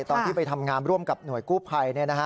ตอนที่ไปทำงานร่วมกับหน่วยกู้ภัย